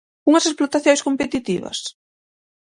¿Unhas explotacións competitivas?